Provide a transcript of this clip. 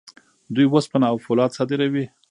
دوی وسپنه او فولاد صادروي.